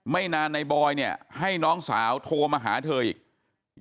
ไม่นานนายบอยเนี่ยให้น้องสาวโทรมาหาเธออีก